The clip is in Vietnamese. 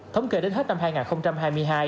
thống kê đến hết năm hai nghìn hai mươi hai